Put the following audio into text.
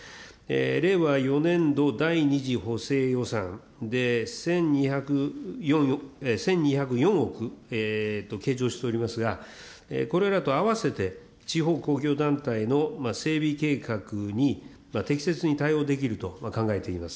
令和４年度第２次補正予算で１２０４億計上しておりますが、これらと合わせて、地方公共団体の整備計画に適切に対応できると考えています。